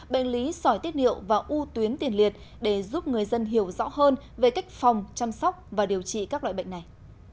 bệnh lý sỏi tiết niệu và u tuyến tiền liệt để giúp người dân hiểu rõ hơn về cách phòng chăm sóc và điều trị các loại bệnh này